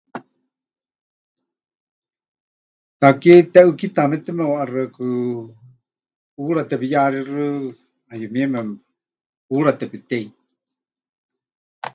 Takie teʼɨ́kitaamete meʼuʼaxɨaku hura tepɨyaxíxɨ, ˀayumieme hura tepɨtei.